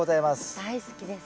大好きです。